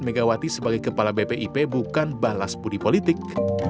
megawati sebagai kepala bpip bukan balas budi politik